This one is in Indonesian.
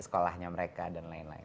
sekolahnya mereka dan lain lain